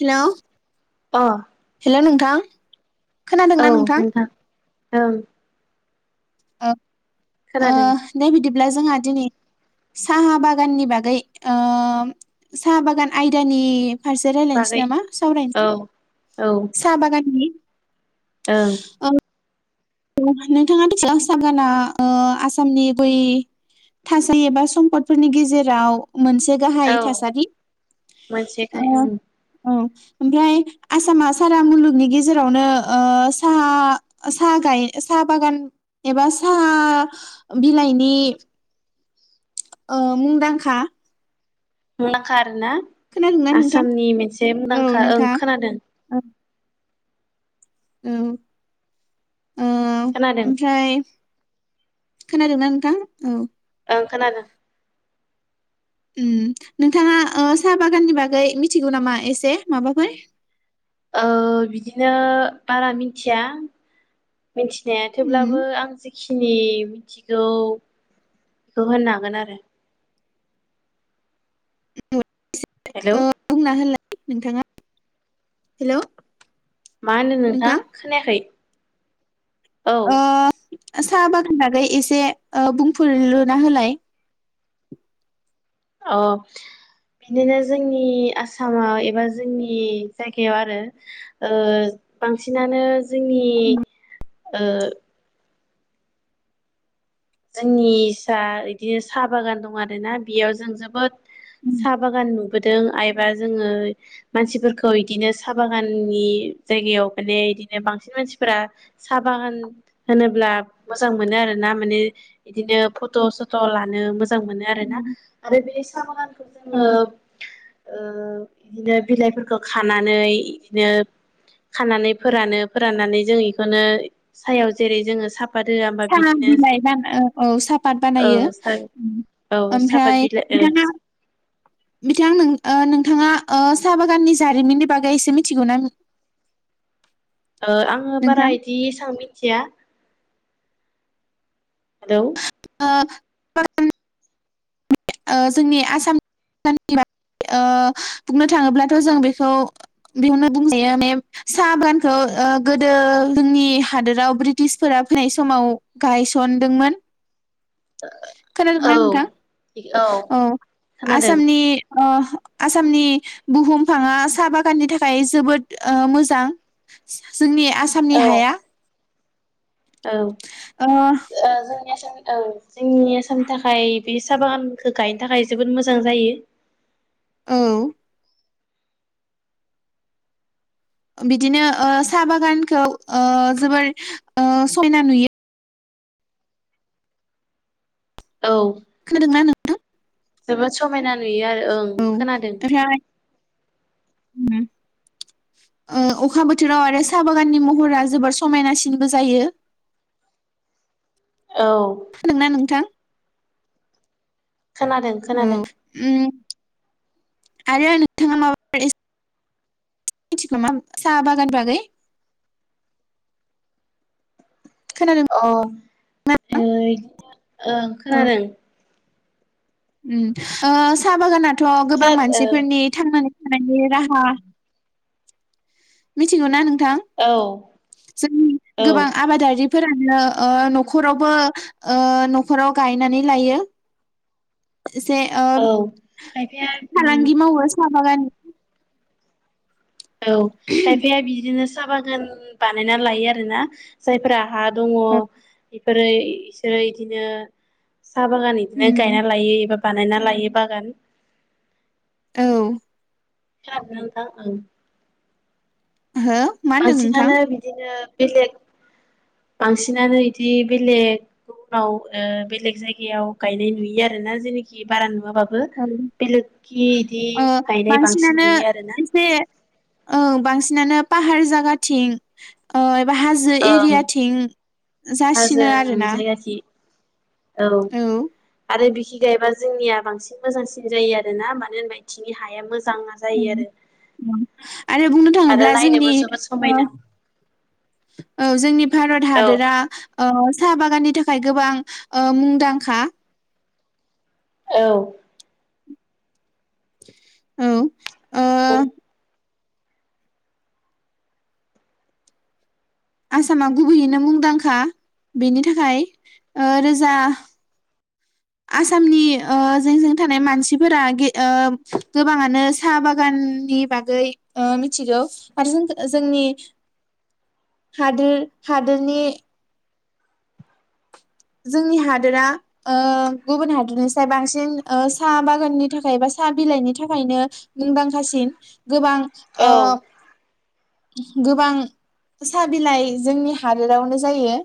Hello अ हेल नोंथां खोनादोंना नोंथां ओं ओ खोनादों ब्ला जोंहा दिनै साहा बागाननि बागै ओ साहा बागान आयदानि फारसे रायलायनोसै बागै नामा औ सावरायनोसै सा बागाननि ओं ओ नोंथाङा [unintelligible] आसामनि बै थासारि एबा सम्पदफोरनि गेजेराव मोनसे गाहाय औ थासारि ओ मोनसेखाय ओं औ ओमफ्राय आसामा सारा मुलुगनि गेजेरावनो ओ साहा सा खाय साहा बागान एबा साहा बिलाइनि ओ मुंदांखा मुंदांखारना खोनादोंना नोंथां आसामनि मोनसे औ मुंदांखा ओं नोंथां खोनादों औ औ ओ खोनादों ओमफ्राय खोनादोंना नोंथां औ ओं खोनादों ओम नोंथाङा ओ साहा बागाननि बागै मिथिगौ नामा एसे माबाफोर ओ बिदिनो बारा मिनथिया मिथिनाया उम थेवब्लाबो आं जे खिनि मिथिगौ बेखौ होननो हागोन आरो। [unintelligible] हेलौ बुंना नोंथाङा [inaudible] हेलौ मा होनो नोंथां खोनायाखै। औ ओ साहा बागाननि बागै एसे ओ बुंफुरलुना होलाय। अ बिदिनो जोंनि आसामाव एबा जोंनि जायगायाव आरो ओ बांसिनानो जोंनि ओ जोंनि सा इदिनो साहा बागान दं आरो ना बेयाव जों जोबोद उम साहा बागान नुबोदों एबा जोङो मानसिफोरखौ इदिनो साहा बागाननि जायगायाव माने इदिनो बांसिन मानसिफोरा साहा बागान होनोब्ला मोजां मोनो आरोना माने इदिनो फट' सथ' लानो मोजां मोनो आरो ना उम आरो बे साहा बागानखौ जोङो औ ओ इदिनो बिलाइफोरखौ खानानै इदिनो खानानै फोरानो फोराननानै जों बेखौनो सायाव जेरै जोङो साफ द होआ होमबा साहा बिदिनो बिलाइ बान औ साहापात ओं बानायो औ सापात ओमफ्राय बिलाइ बिथाङा बिथां ओ नोंथाङा ओ साहा बागाननि जारिमिननि बागै एसे मिथिगौ ना ओ आङो बारा नोंथां इदि एसां मि थिया हेलौ। [unintelligible] ओ जोंनि आसामनि [unintelligible] ओ बुंनो थाङोब्लाथ' जों बेखौ बेयावनो बुंजायो माने साहा बागानखौ ओ गोदो जोंनि हादोराव ब्रिटिशफोरा फैनाय समाव गायसनदोंमोन। औ खोनादोंना नोंथां औ खोनादों आसामनि ओ आसामनि बुहुमफाङा साहा बागाननि थाखाय जोबोद ओ मोजां। जोंनि आसामनि औ हाया औ ओ ओ जों ओं। जोंनि आसामनि थाखाय बे साहा बागानखौ गायनो थाखाय जोबोद मोजां जायो। औ बिदिनो ओ साहा बागानखौ ओ जोबोर ओ समायना नुयो। औ खोनादोंना नों जोबोद समायना नुयो आरो ओं खोनादों। उम ओ अखा बोथोराव आरो साहा बागाननि महरा जोबोर समायनासिनबो जायो। औ खोनादोंना नोंथां। खोनादों औ खोनादों उम आरो [unintelligible] साहा बागान बागै खोनादों अ ओइ ओ औ खोनादों उम ओ साहा बागाना थ' गोबां खोना मानसिफोरनि थांनानै थानायनि राहा मिथिखौ नों थां ओ औ जोंनि औ गोबां आबादारि फोरानो ओ न'खरावबो ओ न'खराव गायनानै लायो। जे ओ औ खायफाया उम फालांगि मावो स बागानि औ खायफाया बिदिनोसै साहा बागान बानायना लायो आरोना जायफोरा हा दङ ओरै बिसोरो इदिनो साहा बागान बिदिनो उम गायना लायो एबा बानायना लायो बागान औ [unintelligible] हो मा होनदों नोंथां? बांसिनानो बिदिनो बेलेग बांसिनानो बिदि बेलेगाव बेलेग जायगायाव गायनाय नुयो आरो ना जेखि बारा नुवाबाबो औ बेलेगखि बिदि ओ गायनाय बांसिन नुयो आरोना औ बांसिनानो पाहार जागाथिं ओ बा हाजो ओं एरियाथिं हाजो जासिनो ओं आरोना जायगाखि औ आरो थिंजायबा जोंनिया बांसिन मोजांसिन जायो आरो ना मानो होनबा बेथिंनि हाया मोजां ओं जायो आरो औ आरो बुंनो आरो थाङोब्ला जोंनि नायनोबो जोबोद समायना औ जोंनि भारत औ हादरा ओ साहा बागान नि थाखाय गोबां ओ मुंदांखा। औ औ ओ आसामा गुबैयैनो मुंदांखा बेनि थाखाय ओ रोजा आसामनि ओ जोंजों थानाय मानसिफोरा गे ओ गोबाङानो साहा बागाननि बागै ओ मिथिगौ आरो जों जोंनि हादोर हादोरनि जोंनि हादोरा ओ गुबुन हादोरनिस्राय बांसिन साहा बागाननि थाखाय बा साहा बिलाइनि थाखायनो मुंदांखासिन। गोबां ओ औ गोबां साहा बिलाइ जोंनि हादोरावनो जायो।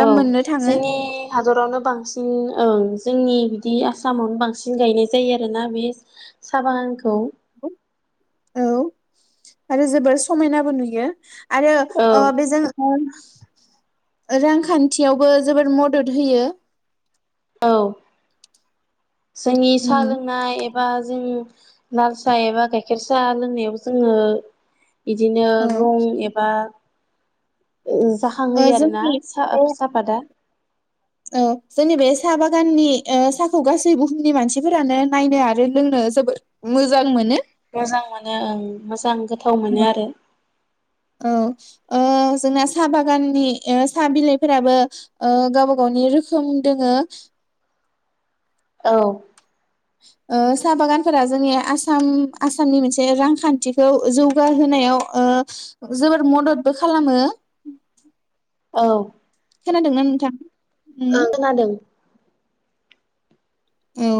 औ मोननो थाङो जोंनि हादरावनो बांसिन ओं जोंनि नि आसामावनो बांसिन गायनाय जायो आरोना बे साहा बागानखौ। औ आरो जोबोर समायनाबो नुयो आरो ओ औ बेजों रांखान्थियावबो जोबोर मदद होयो। औ जोंनि साहा उम लोंनाय एबा जों लाल साहा एबा गाइखेर साहा लोंनायाव जोङो इदिनो औ रं एबा ओ जाखांहोयो आरोना जोंनि बे सा-साहापादा औ जोंनि बे साहा बागाननि ओ साहाखौ गासै बुहुमनि मानसिफोरानो नायनो आरो लोंनो जोबोद मोजां मोनो। मोजां मोनो ओं मोजां थाव मोनो आरो औ ओ जोंना साहा बागाननि साहा बिलाइफोराबो ओ गावबा गावनि रोखोम दोङो। औ ओ साहा बागानफोरा जोंनि आसाम आसामनि मोनसे रांखान्थिखौ जौगाहोनायाव ओ जोबोर मददबो खालामो। ओं खोनादोंना नोंथां उम खोनादों औ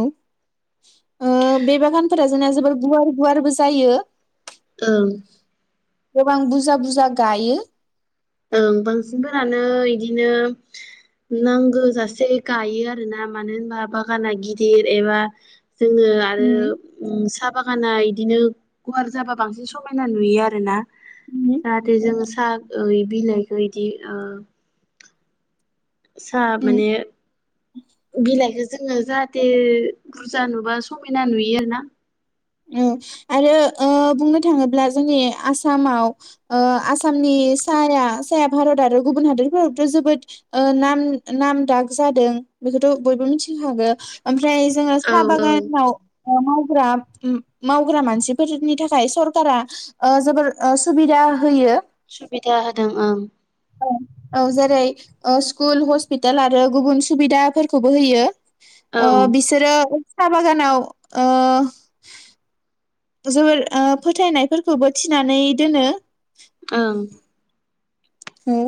ओ बे बागानफोरा जोंना जोबोर गुवार गुवारबो जायो। ओं गोबां बुरजा बुरजा गायो। ओं बांसिनफोरानो इदिनो नांगौ जासे गायो आरोना मानो होनबा बागाना गिदिर एबा जोङो उम आरो साहा बागानाय दिनो गुवार जाबा बांसिन समायना नुयो आरो ना। उम जाहाथे जों साहा ओइ बिलाइखौ इदि ओ सा उम माने बिलाइख जोङो जाहाथे बुरजा नुबा समायना नुयो आरो ना उम आरो ओ बुंनो थाङोब्ला जोंनि आसामाव ओ आसामनि साया साया भारत आरो गुबुन हादोरफोरावथ' जोबोद ओ नाम नाम दाग जादों बेखौथ' बयबो मिथिखागो फ्राय जोङो औ साहा औ बागानाव औ मावग्रा मावग्रा मानसिफोरनि थाखाय सरकारा ओ जोबोर ओ सुबिदा होयो। सुबिदा होदों ओं। औ औ जेरै ओ स्कुल हस्पिटाल आरो गुबुन सुबिदाफोरखौबो होयो। औ आ बिसोरो साहा बागानाव ओ जोबोर फोथायनायफोरखौबो थिनानै दोनो ओं औ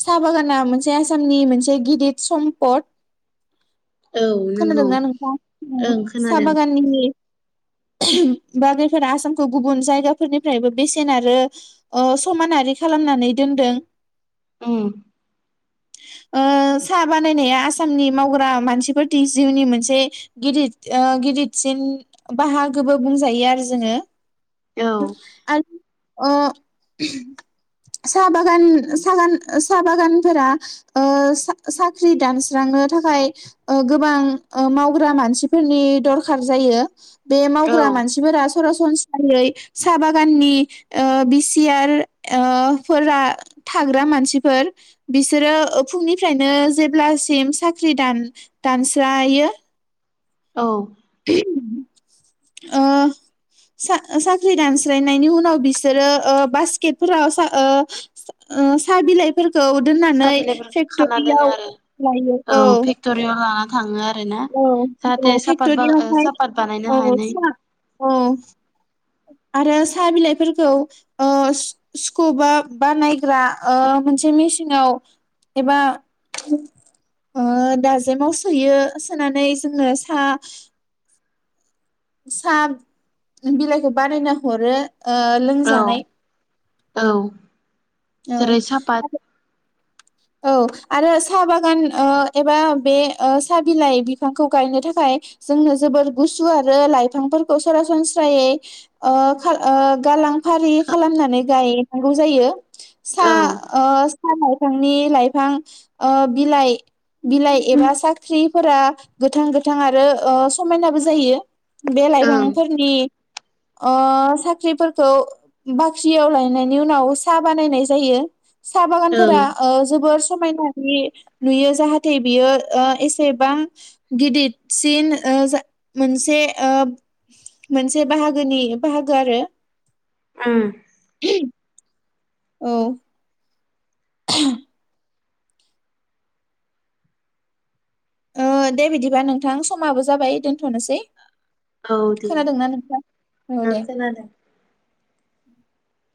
साहा बागाना मोनसे आसामनि मोनसे गिदिर सम्पद औ नंगौ खोनादोंना नोंथां ओं साहा खोनादों बागाननि बाग्रिफोरा आसामखौ गुबुन जायगाफोरनिफ्रायबो बेसेन आरो ओ समानारि खालामनानै दोनदों औ साहा बानायनाया आसामनि मावग्रा मानसिफोर जिउनि मोनसे गिदिद ओ गिदिरसिन बाहागोबो बुंजायो आरो जोङो औ आरो ओ साहा बागान सागान साहा बागानफोरा सा- साख्रि दानस्रांनो थाखाय गोबां मावग्रा मानसिफोरनि दरखार जायो बे औ मावग्रा मानसिफोरा सरासनस्रायै साहा बागाननि बिसिआर फोर थाग्रा मानसिफोर बिसोरो फुंनिफ्रायनो जेब्लासिम साख्रि दान दानस्रायो औ ओ साख्रि दानस्लायनायनि उनाव बिसोरो ओ बास्केटफोराव ओ स -साहा बिलाइ बेखौ दोननानै साहा बिलाइफोर खाना दोनो फेक्ट'रियाव आरो लायो औ फेक्टरियाव लाना थाङो आरोना औ जाहाथे औ साफात बा ओ फेक्टरियावहाय साफात बानायनो औ हानाय साहा औ आरो साहा बिलाइफोरखौ ओ सुखुबा बाानायग्रा ओ मोनसे मेसिनाव एबा ओ दाजेमाव सोयो सोनानै जोङो साहा साहा बिलाइखौ बारायना हरो औ लोंजानाय औ औ जेरै सापात औ आरो साहा बागान ओ एबा बे ओ साहा बिलाइ बिफांखौ गायनो थाखाय जोंनो जोबोर गुसु आरो लाइफांफोरखौ सरासनस्रायै ओ ओ गालां फारि खालामनानै गायनांगौ जायो सा औ ओ सानाय बि लाइफां ओ बिलाइ बिलाइ एबा साख्रिफोरा गोथां गोथां आरो ओ समायनाबो जायो बे ओं लाइफांफोरनि अ साख्रिफोरखौ बाख्रियाव लायनायनि उनाव साहा बानायनाय जायो साहा ओं बागानफोरा जोबोर समायनानि नुयो जाहाथे बियो ओ एसेबां गिदिरसिन ओ जा मोनसे ओ मोनसे बाहागोनि बाहागो आरो उम औ [unintelligible] ओ दे बिदिबा नोंथां समाबो जाबाय दोनथ'नोसै औ दे खोनादोंना नोंथां औ ओ दे खोनादों। [unintelligible]